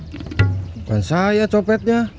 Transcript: bukan saya copetnya